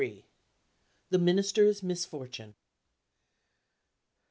THE MINISTER'S MISFORTUNE.